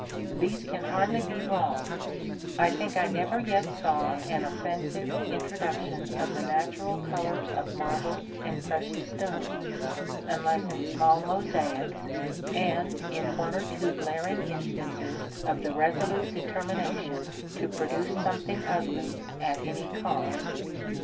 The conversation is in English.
These can hardly be wrong; I think I never yet saw an offensive introduction of the natural colors of marble and precious stones, unless in small mosaics, and in one or two glaring instances of the resolute determination to produce something ugly at any cost.